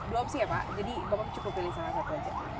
dua opsi ya pak jadi bapak cukup pilih salah satu aja